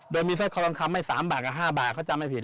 โดยมีสร้อยคอทองคำให้สามบาทกับห้าบาทเขาจำให้ผิด